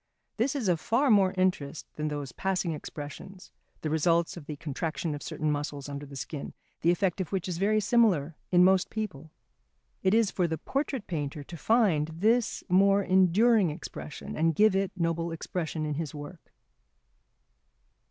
This is of far more interest than those passing expressions, the results of the contraction of certain muscles under the skin, the effect of which is very similar in most people. It is for the portrait painter to find this more enduring expression and give it noble expression in his work.